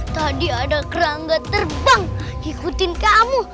tadi ada kerangga terbang ikutin kamu